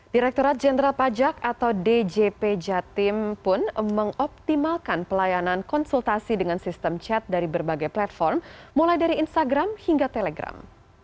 direkturat jenderal pajak atau djp jatim pun mengoptimalkan pelayanan konsultasi dengan sistem chat dari berbagai platform mulai dari instagram hingga telegram